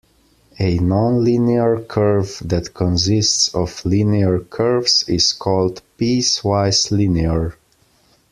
A nonlinear curve that consists of linear curves is called piece-wise linear.